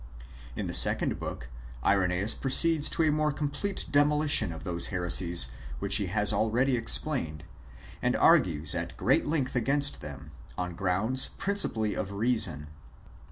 In his second book, Irengeus proceeds to a more complete demolition of those heresies which he has already explained, and ar^rues at great length against them, on grounds principally of reason.